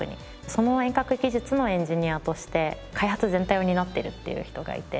その遠隔技術のエンジニアとして開発全体を担っているっていう人がいて。